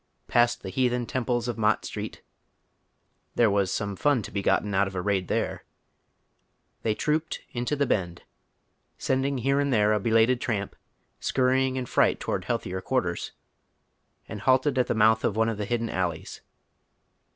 Past the heathen temples of Mott Street— there was some fun to be gotten out of a raid there — tliey trooped, into " the Bend," send ing here and there a belated tramp scurrying in fright tow ard healthier quartei s, and halted at the mouth of one of the hidden alleys.